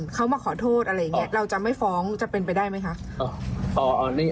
เขามาขอโทษอะไรอย่างเนี่ย